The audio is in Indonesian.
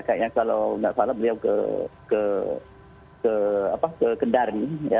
kayaknya kalau nggak salah beliau ke ke ke apa ke kendari ya